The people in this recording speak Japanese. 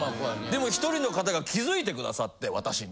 でも１人の方が気付いて下さって私に。